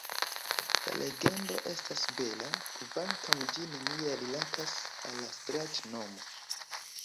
La legendo estas bela, kvankam ĝi neniel rilatas al la strat-nomo.